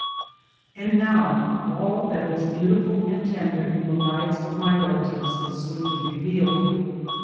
And now all that was beautiful and tender in the lives of my relatives was sweetly revealed.